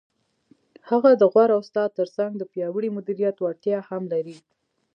هغه د غوره استاد تر څنګ د پیاوړي مدیریت وړتیا هم لري.